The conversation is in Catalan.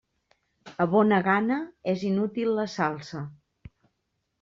A bona gana, és inútil la salsa.